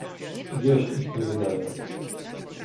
"Wieś ich nie wydaje."